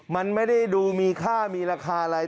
มันไม่ได้ดูมีค่ามีราคาอะไร